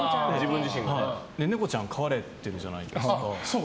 ネコちゃん飼われてるじゃないですか。